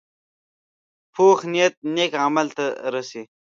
پوخ نیت نیک عمل ته رسي